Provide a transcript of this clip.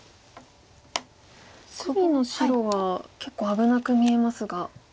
隅の白は結構危なく見えますが。